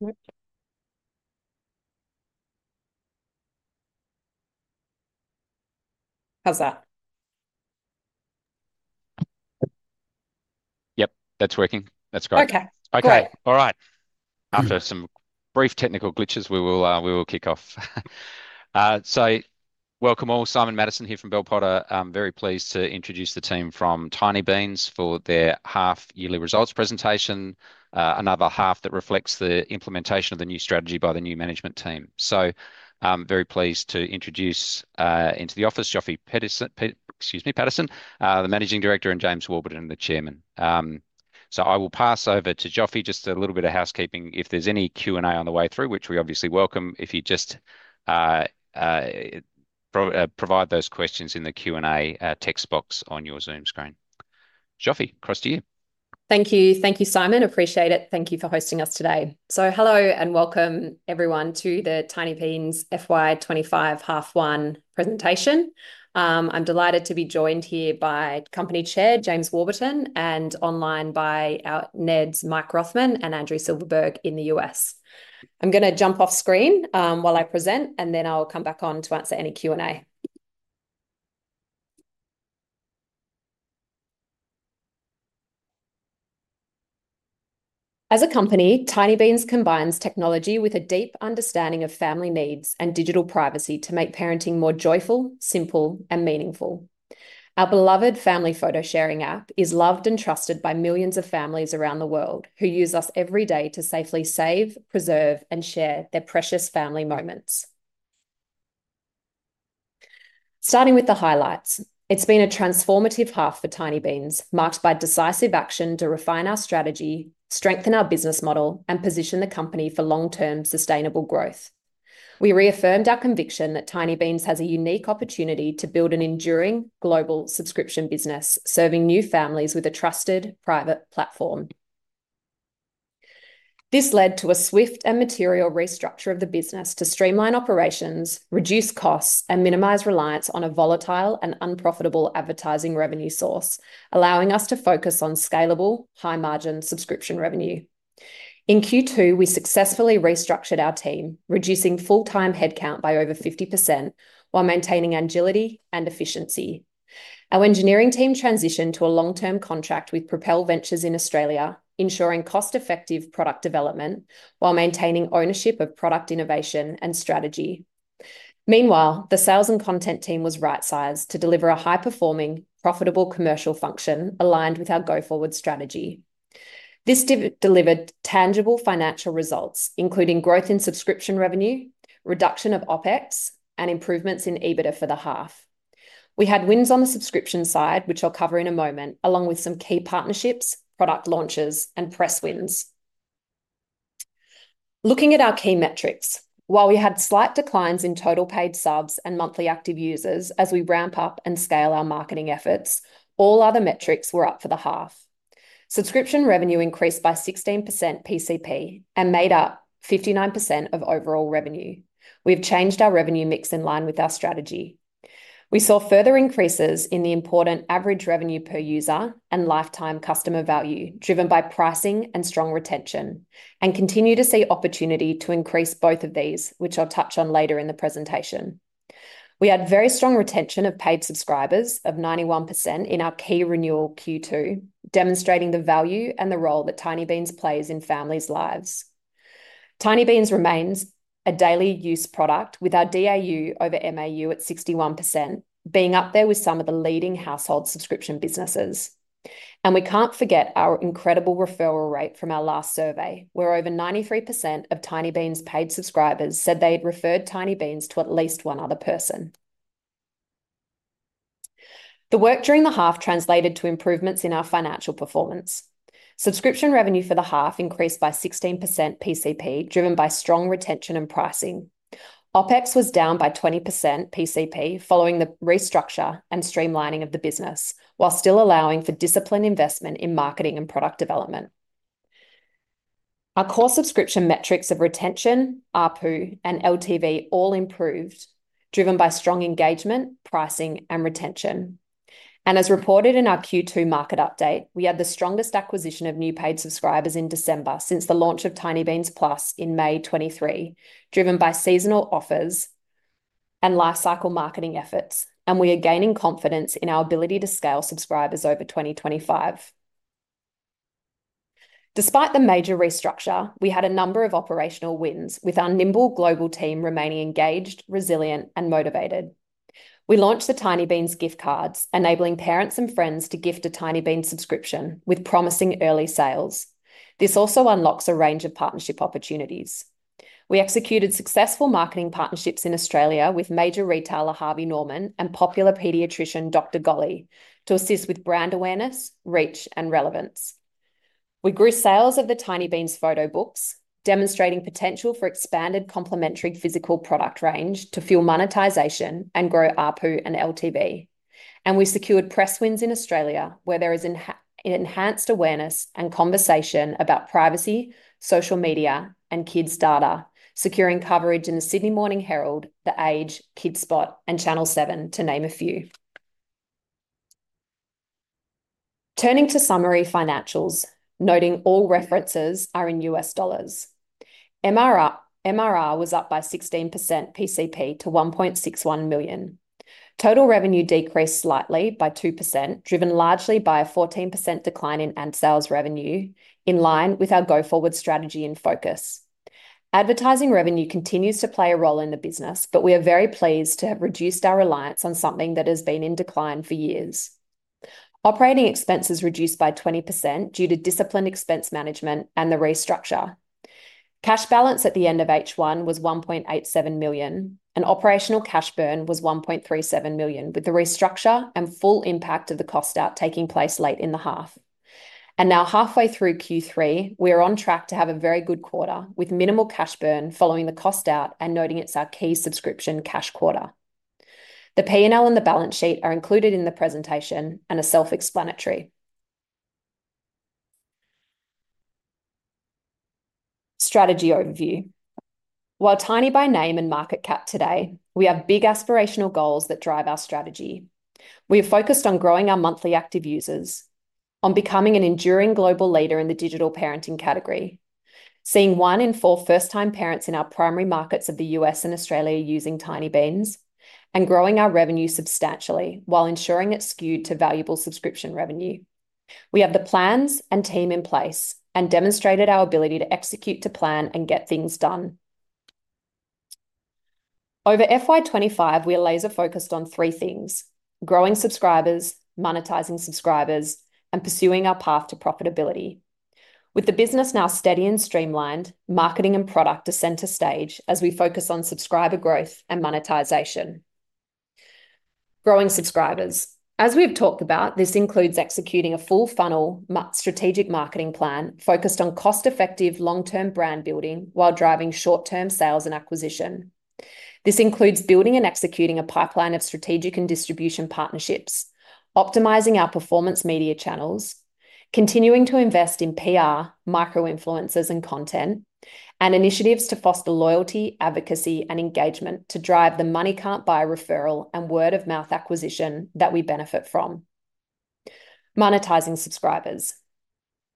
All right. After some brief technical glitches, we will kick off. Welcome all. Simon Matison here from Bell Potter. Very pleased to introduce the team from Tinybeans for their half-yearly results presentation, another half that reflects the implementation of the new strategy by the new management team. Very pleased to introduce, into the office, Zsofi Paterson—excuse me, Paterson, the Managing Director, and James Warburton, the Chairman. I will pass over to Zsofi. Just a little bit of housekeeping. If there's any Q&A on the way through, which we obviously welcome, if you just provide those questions in the Q&A text box on your Zoom screen. Zsofi, across to you. Thank you. Thank you, Simon. Appreciate it. Thank you for hosting us today. Hello and welcome, everyone, to the Tinybeans FY 2025 H1 presentation. I'm delighted to be joined here by Company Chair James Warburton and online by our NEDs, Mike Rothman and Andrew Silverberg in the U.S. I'm going to jump off screen, while I present, and then I'll come back on to answer any Q&A. As a company, Tinybeans combines technology with a deep understanding of family needs and digital privacy to make parenting more joyful, simple, and meaningful. Our beloved family photo sharing app is loved and trusted by millions of families around the world who use us every day to safely save, preserve, and share their precious family moments. Starting with the highlights, it's been a transformative half for Tinybeans, marked by decisive action to refine our strategy, strengthen our business model, and position the company for long-term sustainable growth. We reaffirmed our conviction that Tinybeans has a unique opportunity to build an enduring global subscription business, serving new families with a trusted private platform. This led to a swift and material restructure of the business to streamline operations, reduce costs, and minimize reliance on a volatile and unprofitable advertising revenue source, allowing us to focus on scalable, high-margin subscription revenue. In Q2, we successfully restructured our team, reducing full-time headcount by over 50% while maintaining agility and efficiency. Our engineering team transitioned to a long-term contract with Propel Ventures in Australia, ensuring cost-effective product development while maintaining ownership of product innovation and strategy. Meanwhile, the sales and content team was right-sized to deliver a high-performing, profitable commercial function aligned with our go-forward strategy. This delivered tangible financial results, including growth in subscription revenue, reduction of OpEx, and improvements in EBITDA for the half. We had wins on the subscription side, which I'll cover in a moment, along with some key partnerships, product launches, and press wins. Looking at our key metrics, while we had slight declines in total paid subs and monthly active users as we ramp up and scale our marketing efforts, all other metrics were up for the half. Subscription revenue increased by 16% PCP and made up 59% of overall revenue. We've changed our revenue mix in line with our strategy. We saw further increases in the important average revenue per user and lifetime customer value driven by pricing and strong retention, and continue to see opportunity to increase both of these, which I'll touch on later in the presentation. We had very strong retention of paid subscribers of 91% in our key renewal Q2, demonstrating the value and the role that Tinybeans plays in families' lives. Tinybeans remains a daily use product with our DAU over MAU at 61%, being up there with some of the leading household subscription businesses. We can't forget our incredible referral rate from our last survey, where over 93% of Tinybeans' paid subscribers said they had referred Tinybeans to at least one other person. The work during the half translated to improvements in our financial performance. Subscription revenue for the half increased by 16% PCP, driven by strong retention and pricing. OpEx was down by 20% PCP following the restructure and streamlining of the business, while still allowing for disciplined investment in marketing and product development. Our core subscription metrics of retention, RPU, and LTV all improved, driven by strong engagement, pricing, and retention. As reported in our Q2 market update, we had the strongest acquisition of new paid subscribers in December since the launch of Tinybeans Plus in May 2023, driven by seasonal offers and life-cycle marketing efforts, and we are gaining confidence in our ability to scale subscribers over 2025. Despite the major restructure, we had a number of operational wins, with our nimble global team remaining engaged, resilient, and motivated. We launched the Tinybeans gift cards, enabling parents and friends to gift a Tinybeans subscription with promising early sales. This also unlocks a range of partnership opportunities. We executed successful marketing partnerships in Australia with major retailer Harvey Norman and popular pediatrician Dr. Golly to assist with brand awareness, reach, and relevance. We grew sales of the Tinybeans photo books, demonstrating potential for expanded complementary physical product range to fuel monetization and grow RPU and LTV. We secured press wins in Australia, where there is enhanced awareness and conversation about privacy, social media, and kids' data, securing coverage in the Sydney Morning Herald, The Age, Kidspot, and Channel 7, to name a few. Turning to summary financials, noting all references are in U.S. dollars. MRR was up by 16% PCP to $1.61 million. Total revenue decreased slightly by 2%, driven largely by a 14% decline in ad sales revenue, in line with our go-forward strategy and focus. Advertising revenue continues to play a role in the business, but we are very pleased to have reduced our reliance on something that has been in decline for years. Operating expenses reduced by 20% due to disciplined expense management and the restructure. Cash balance at the end of H1 was $1.87 million, and operational cash burn was $1.37 million, with the restructure and full impact of the cost out taking place late in the half. Now, halfway through Q3, we are on track to have a very good quarter with minimal cash burn following the cost out and noting it's our key subscription cash quarter. The P&L and the balance sheet are included in the presentation and are self-explanatory. Strategy overview. While tiny by name and market cap today, we have big aspirational goals that drive our strategy. We are focused on growing our monthly active users, on becoming an enduring global leader in the digital parenting category, seeing one in four first-time parents in our primary markets of the U.S. and Australia using Tinybeans, and growing our revenue substantially while ensuring it's skewed to valuable subscription revenue. We have the plans and team in place and demonstrated our ability to execute to plan and get things done. Over FY 2025, we are laser-focused on three things: growing subscribers, monetizing subscribers, and pursuing our path to profitability. With the business now steady and streamlined, marketing and product are center stage as we focus on subscriber growth and monetization. Growing subscribers. As we've talked about, this includes executing a full-funnel strategic marketing plan focused on cost-effective long-term brand building while driving short-term sales and acquisition. This includes building and executing a pipeline of strategic and distribution partnerships, optimizing our performance media channels, continuing to invest in PR, micro-influencers, and content, and initiatives to foster loyalty, advocacy, and engagement to drive the money-can't-buy referral and word-of-mouth acquisition that we benefit from. Monetizing subscribers.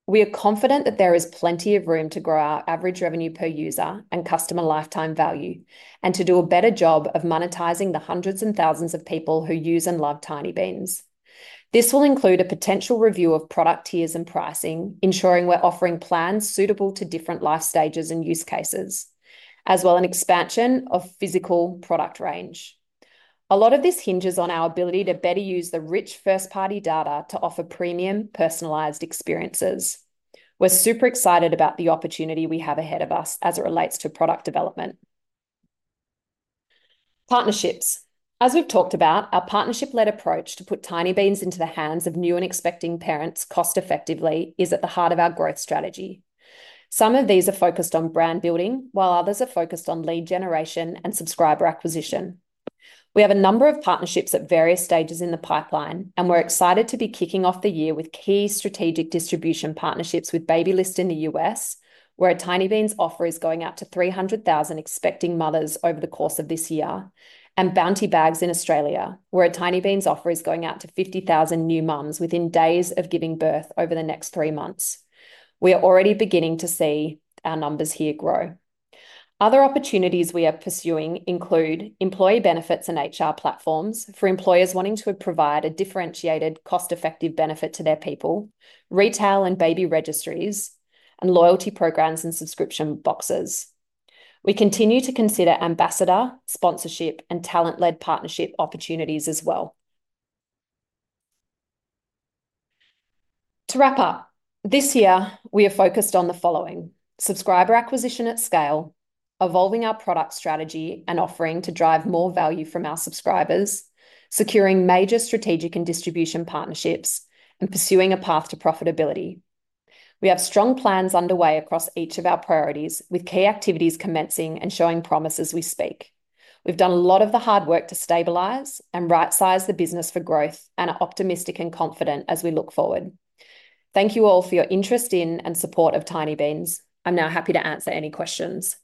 We are confident that there is plenty of room to grow our average revenue per user and customer lifetime value, and to do a better job of monetizing the hundreds and thousands of people who use and love Tinybeans. This will include a potential review of product tiers and pricing, ensuring we're offering plans suitable to different life stages and use cases, as well as an expansion of physical product range. A lot of this hinges on our ability to better use the rich first-party data to offer premium, personalized experiences. We're super excited about the opportunity we have ahead of us as it relates to product development. Partnerships. As we've talked about, our partnership-led approach to put Tinybeans into the hands of new and expecting parents cost-effectively is at the heart of our growth strategy. Some of these are focused on brand building, while others are focused on lead generation and subscriber acquisition. We have a number of partnerships at various stages in the pipeline, and we're excited to be kicking off the year with key strategic distribution partnerships with Babylist in the U.S., where a Tinybeans offer is going out to 300,000 expecting mothers over the course of this year, and Bounty Bags in Australia, where a Tinybeans offer is going out to 50,000 new moms within days of giving birth over the next three months. We are already beginning to see our numbers here grow. Other opportunities we are pursuing include employee benefits and HR platforms for employers wanting to provide a differentiated, cost-effective benefit to their people, retail and baby registries, and loyalty programs and subscription boxes. We continue to consider ambassador, sponsorship, and talent-led partnership opportunities as well. To wrap up, this year, we are focused on the following: subscriber acquisition at scale, evolving our product strategy and offering to drive more value from our subscribers, securing major strategic and distribution partnerships, and pursuing a path to profitability. We have strong plans underway across each of our priorities, with key activities commencing and showing promise as we speak. We've done a lot of the hard work to stabilize and right-size the business for growth, and are optimistic and confident as we look forward. Thank you all for your interest in and support of Tinybeans. I'm now happy to answer any questions.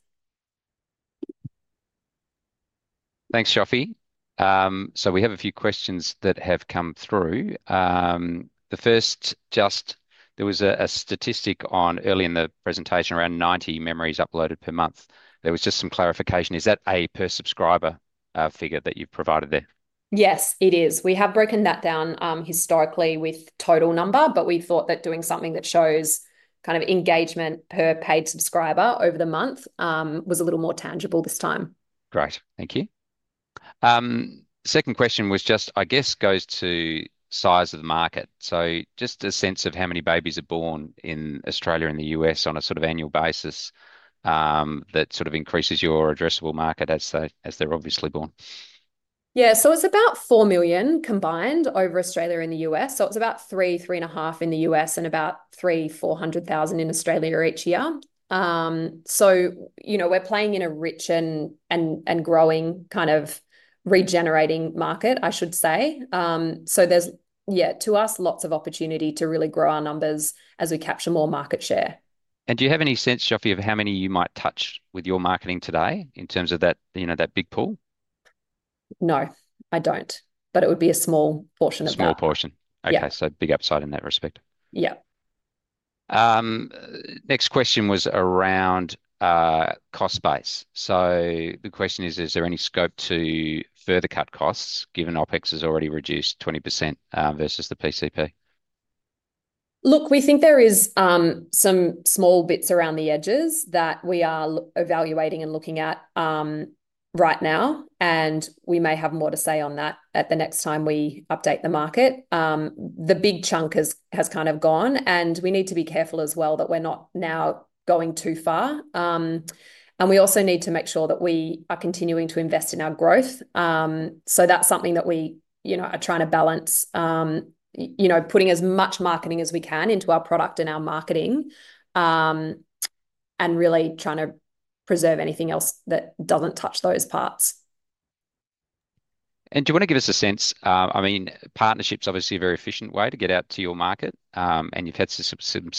Thanks, Zsofi. We have a few questions that have come through. The first, just there was a statistic early in the presentation around 90 memories uploaded per month. There was just some clarification. Is that a per subscriber figure that you've provided there? Yes, it is. We have broken that down historically with total number, but we thought that doing something that shows kind of engagement per paid subscriber over the month was a little more tangible this time. Great. Thank you. Second question was just, I guess, goes to size of the market. Just a sense of how many babies are born in Australia and the U.S. on a sort of annual basis that sort of increases your addressable market as they're obviously born. Yeah, so it's about 4 million combined over Australia and the U.S.. It's about 3 million-3.5 million in the U.S. and about 300,000-400,000 in Australia each year. You know we're playing in a rich and growing kind of regenerating market, I should say. To us, there's lots of opportunity to really grow our numbers as we capture more market share. Do you have any sense, Zsofi, of how many you might touch with your marketing today in terms of that big pool? No, I don't, but it would be a small portion of that. Small portion. Okay, so big upside in that respect. Yeah. Next question was around cost base. The question is, is there any scope to further cut costs given OpEx has already reduced 20% versus the PCP? Look, we think there are some small bits around the edges that we are evaluating and looking at right now, and we may have more to say on that at the next time we update the market. The big chunk has kind of gone, and we need to be careful as well that we're not now going too far. We also need to make sure that we are continuing to invest in our growth. That is something that we are trying to balance, putting as much marketing as we can into our product and our marketing and really trying to preserve anything else that doesn't touch those parts. Do you want to give us a sense? I mean, partnership's obviously a very efficient way to get out to your market, and you've had some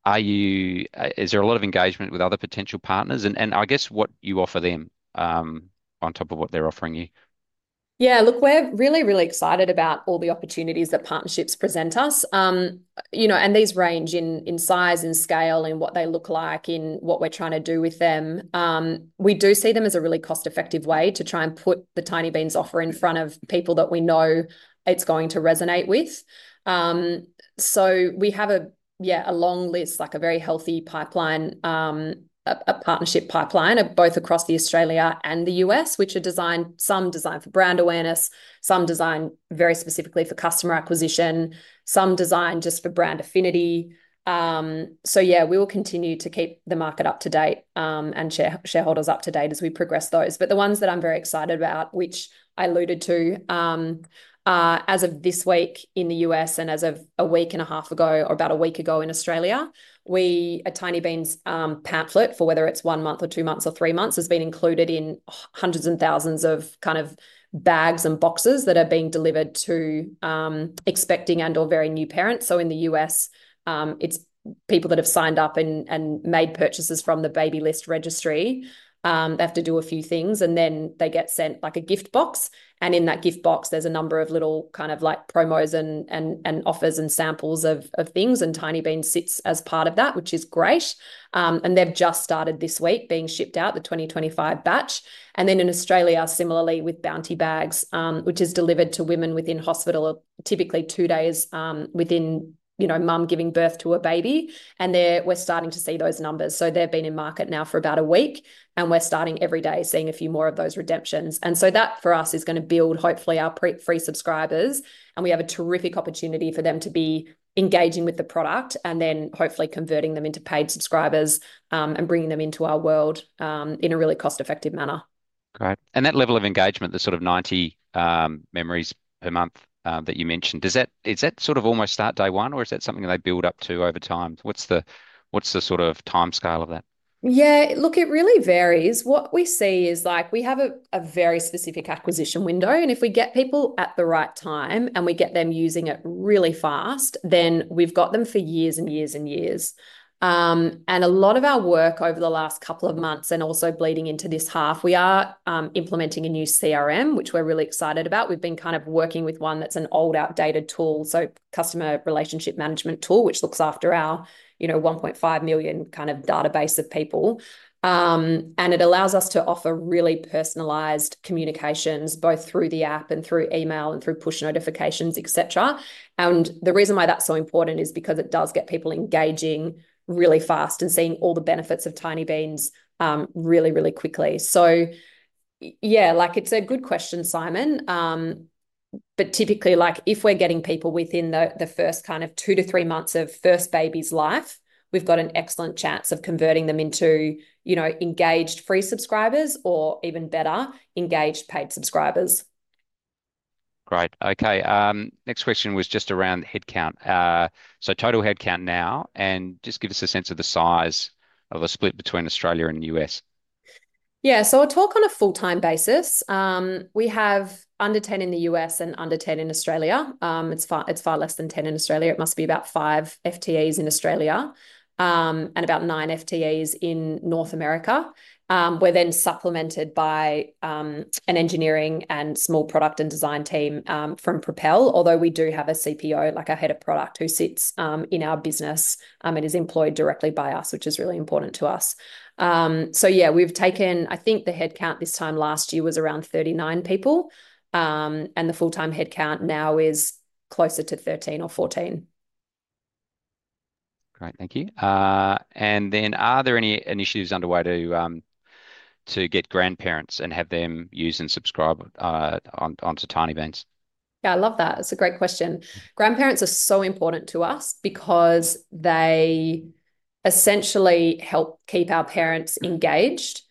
success there clearly. Just is there a lot of engagement with other potential partners? I guess what you offer them on top of what they're offering you? Yeah, look, we're really, really excited about all the opportunities that partnerships present us. These range in size and scale and what they look like and what we're trying to do with them. We do see them as a really cost-effective way to try and put the Tinybeans offer in front of people that we know it's going to resonate with. We have a long list, like a very healthy pipeline, a partnership pipeline both across Australia and the U.S., which are designed, some designed for brand awareness, some designed very specifically for customer acquisition, some designed just for brand affinity. We will continue to keep the market up to date and shareholders up to date as we progress those. The ones that I'm very excited about, which I alluded to as of this week in the U.S. and as of a week and a half ago or about a week ago in Australia, a Tinybeans pamphlet for whether it's one month or two months or three months has been included in hundreds and thousands of kind of bags and boxes that are being delivered to expecting and/or very new parents. In the U.S., it's people that have signed up and made purchases from the Babylist registry. They have to do a few things, and then they get sent like a gift box. In that gift box, there's a number of little kind of like promos and offers and samples of things. Tinybeans sits as part of that, which is great. They've just started this week being shipped out, the 2025 batch. In Australia, similarly with Bounty Bags, which is delivered to women within hospital, typically two days within mom giving birth to a baby. We are starting to see those numbers. They have been in market now for about a week, and we are starting every day seeing a few more of those redemptions. That for us is going to build hopefully our free subscribers, and we have a terrific opportunity for them to be engaging with the product and then hopefully converting them into paid subscribers and bringing them into our world in a really cost-effective manner. Great. That level of engagement, the sort of 90 memories per month that you mentioned, is that almost start day one, or is that something they build up to over time? What's the sort of time scale of that? Yeah, look, it really varies. What we see is like we have a very specific acquisition window, and if we get people at the right time and we get them using it really fast, then we've got them for years and years and years. A lot of our work over the last couple of months and also bleeding into this half, we are implementing a new CRM, which we're really excited about. We've been kind of working with one that's an old outdated tool, so customer relationship management tool, which looks after our 1.5 million kind of database of people. It allows us to offer really personalized communications both through the app and through email and through push notifications, etc. The reason why that's so important is because it does get people engaging really fast and seeing all the benefits of Tinybeans really, really quickly. Yeah, like it's a good question, Simon. But typically, like if we're getting people within the first kind of two to three months of first baby's life, we've got an excellent chance of converting them into engaged free subscribers or even better, engaged paid subscribers. Great. Okay. Next question was just around headcount. So total headcount now, and just give us a sense of the size of the split between Australia and the U.S.. Yeah, so we'll talk on a full-time basis. We have under 10 in the U.S. and under 10 in Australia. It's far less than 10 in Australia. It must be about five FTEs in Australia and about nine FTEs in North America. We're then supplemented by an engineering and small product and design team from Propel, although we do have a CPO, like a head of product who sits in our business and is employed directly by us, which is really important to us. Yeah, we've taken, I think the headcount this time last year was around 39 people, and the full-time headcount now is closer to 13 or 14. Great. Thank you. Are there any initiatives underway to get grandparents and have them use and subscribe onto Tinybeans? Yeah, I love that. It's a great question. Grandparents are so important to us because they essentially help keep our parents engaged.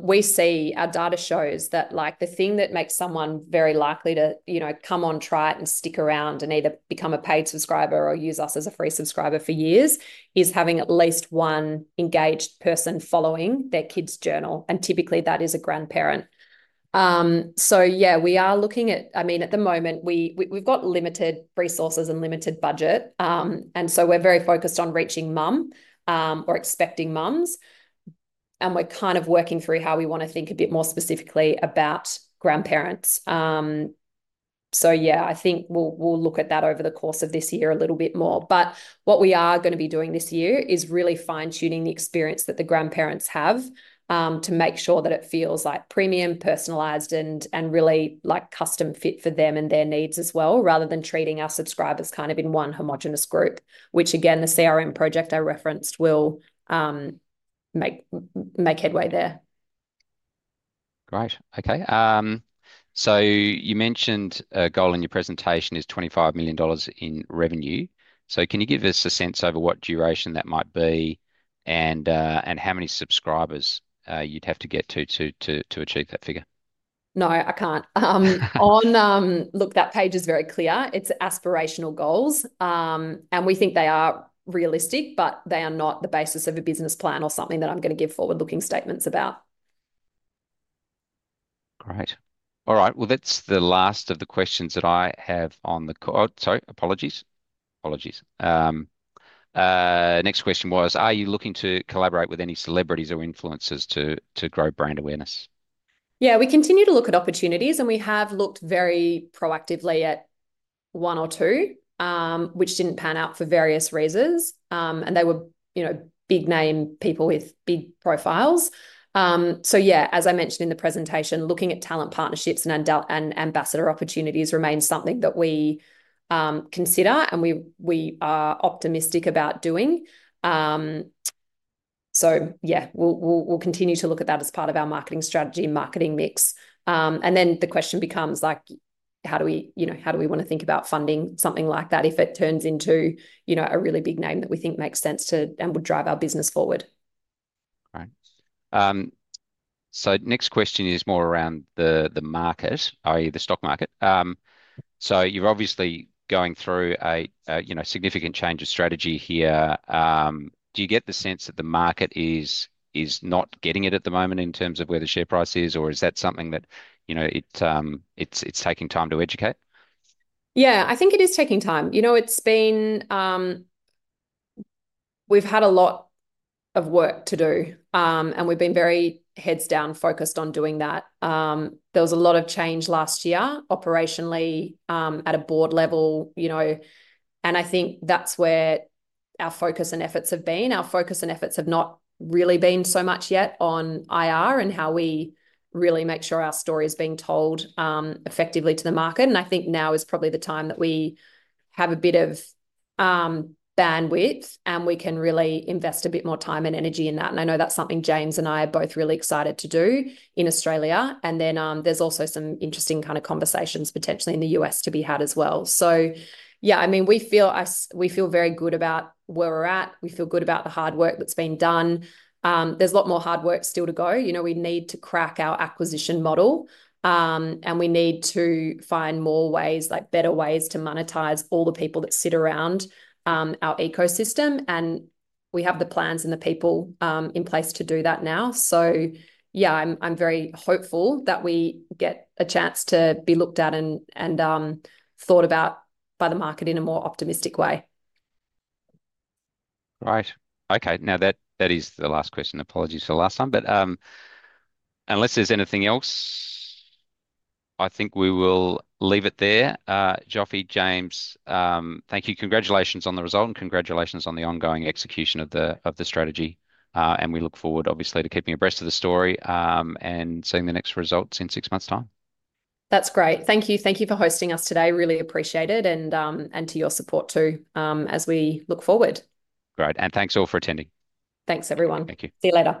We see our data shows that like the thing that makes someone very likely to come on, try it, and stick around and either become a paid subscriber or use us as a free subscriber for years is having at least one engaged person following their kids' journal, and typically that is a grandparent. Yeah, we are looking at, I mean, at the moment, we've got limited resources and limited budget, and so we're very focused on reaching mom or expecting moms, and we're kind of working through how we want to think a bit more specifically about grandparents. Yeah, I think we'll look at that over the course of this year a little bit more. What we are going to be doing this year is really fine-tuning the experience that the grandparents have to make sure that it feels like premium, personalized, and really like custom fit for them and their needs as well, rather than treating our subscribers kind of in one homogenous group, which again, the CRM project I referenced will make headway there. Great. Okay. You mentioned a goal in your presentation is $25 million in revenue. Can you give us a sense over what duration that might be and how many subscribers you'd have to get to achieve that figure? No, I can't. Look, that page is very clear. It's aspirational goals, and we think they are realistic, but they are not the basis of a business plan or something that I'm going to give forward-looking statements about. Great. All right. That's the last of the questions that I have on the call. Sorry, apologies. Apologies. Next question was, are you looking to collaborate with any celebrities or influencers to grow brand awareness? Yeah, we continue to look at opportunities, and we have looked very proactively at one or two, which didn't pan out for various reasons, and they were big-name people with big profiles. As I mentioned in the presentation, looking at talent partnerships and ambassador opportunities remains something that we consider and we are optimistic about doing. Yeah, we'll continue to look at that as part of our marketing strategy and marketing mix. The question becomes like, how do we want to think about funding something like that if it turns into a really big name that we think makes sense and would drive our business forward? Great. Next question is more around the market, i.e., the stock market. You're obviously going through a significant change of strategy here. Do you get the sense that the market is not getting it at the moment in terms of where the share price is, or is that something that it's taking time to educate? Yeah, I think it is taking time. You know, we've had a lot of work to do, and we've been very heads down focused on doing that. There was a lot of change last year operationally at a board level, and I think that's where our focus and efforts have been. Our focus and efforts have not really been so much yet on IR and how we really make sure our story is being told effectively to the market. I think now is probably the time that we have a bit of bandwidth, and we can really invest a bit more time and energy in that. I know that's something James and I are both really excited to do in Australia. There are also some interesting kind of conversations potentially in the U.S. to be had as well. Yeah, I mean, we feel very good about where we're at. We feel good about the hard work that's been done. There's a lot more hard work still to go. We need to crack our acquisition model, and we need to find more ways, like better ways to monetize all the people that sit around our ecosystem. We have the plans and the people in place to do that now. Yeah, I'm very hopeful that we get a chance to be looked at and thought about by the market in a more optimistic way. Right. Okay. Now that is the last question. Apologies for the last one. Unless there's anything else, I think we will leave it there. Zsofi, James, thank you. Congratulations on the result and congratulations on the ongoing execution of the strategy. We look forward, obviously, to keeping you abreast of the story and seeing the next results in six months' time. That's great. Thank you. Thank you for hosting us today. Really appreciate it. And to your support too as we look forward. Great. Thanks all for attending. Thanks, everyone. Thank you. See you later.